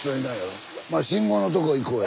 信号のとこ行こうや。